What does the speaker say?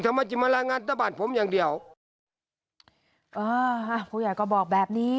มาจะมาลางงานตะบัตรผมอย่างเดียวอ่าฮะผู้ใหญ่ก็บอกแบบนี้